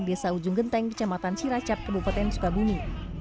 desa ujung genteng kecamatan ciracap kebupaten sukabumi